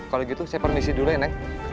kalo gitu saya permisi dulu ya neng